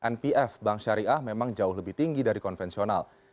npf bank syariah memang jauh lebih tinggi dari konvensional